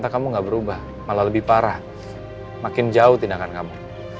kamu gak berubah malah lebih parah makin jauh tindakan kamu